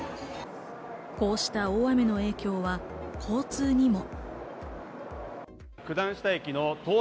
こうした大雨の影響は交通にも。